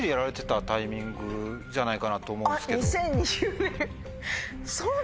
タイミングじゃないかなと思うんですけど。